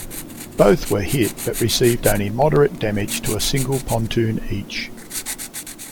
Both were hit but received only moderate damage to a single pontoon each.